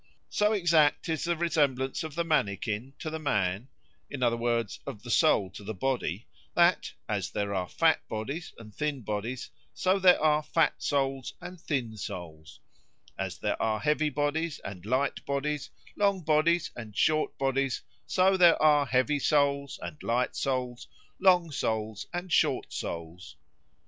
So exact is the resemblance of the mannikin to the man, in other words, of the soul to the body, that, as there are fat bodies and thin bodies, so there are fat souls and thin souls; as there are heavy bodies and light bodies, long bodies and short bodies, so there are heavy souls and light souls, long souls and short souls.